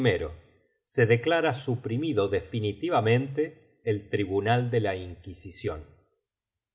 Se declara suprimido definitivamente el Tribunal de la Inquisicion.